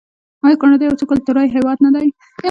آیا کاناډا یو څو کلتوری هیواد نه دی؟